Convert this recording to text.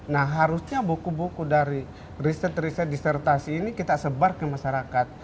nah harusnya buku buku dari riset riset disertasi ini kita sebar ke masyarakat